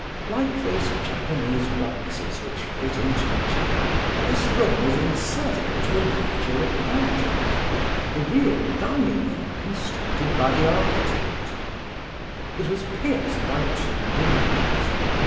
Like those Japanese boxes which fit into each other, this room was inserted in a larger apartment the real dining room constructed by the architect. It was pierced by two windows.